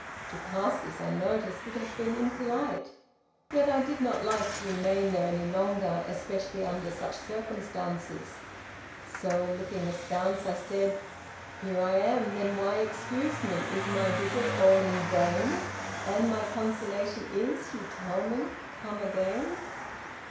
To pass this unnoticed would have been impolite; yet I did not like to remain there any longer, especially under such circumstances: so, looking askance, I said Here I am, then why excuse me, is my visit all in vain: And my consolation is, you tell me, come again?